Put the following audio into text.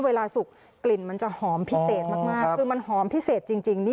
สุกกลิ่นมันจะหอมพิเศษมากคือมันหอมพิเศษจริงนี่